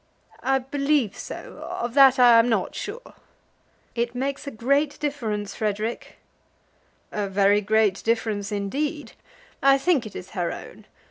"I believe so. Of that I am not sure." "It makes a great difference, Frederic." "A very great difference indeed. I think it is her own.